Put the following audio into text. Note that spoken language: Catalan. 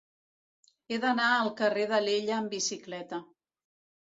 He d'anar al carrer d'Alella amb bicicleta.